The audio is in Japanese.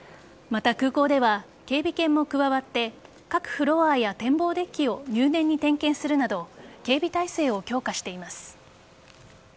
また、空港では警備犬も加わって各フロアや展望デッキを入念に点検するなど警備体制を強化しています。